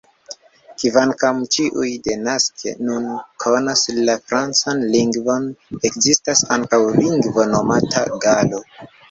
Kvankam ĉiuj denaske nun konas la francan lingvon, ekzistas ankaŭ lingvo nomata "galo".